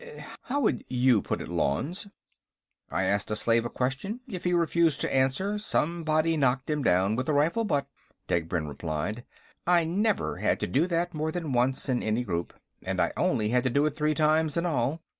How would you put it, Lanze?" "I asked a slave a question. If he refused to answer, somebody knocked him down with a rifle butt," Degbrend replied. "I never had to do that more than once in any group, and I only had to do it three times in all.